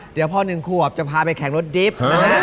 เดี๋ยวพอ๑ขวบจะพาไปแข่งรถดิบ